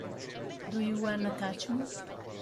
Do You Wanna Touch Me?